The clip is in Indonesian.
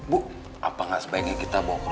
bu apa gak sebaiknya kita bawa